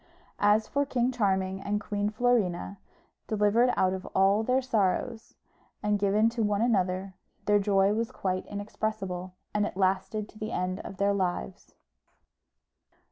As for King Charming and Queen Florina, delivered out of all their sorrows, and given to one another, their joy was quite inexpressible, and it lasted to the end of their lives.